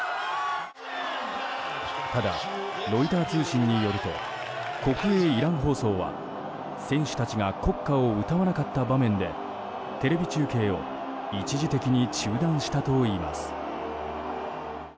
ただ、ロイター通信によると国営イラン放送は選手たちが国歌を歌わなかった場面でテレビ中継を一時的に中断したといいます。